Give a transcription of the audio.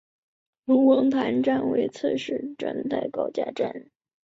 龙王塘站为侧式站台高架站。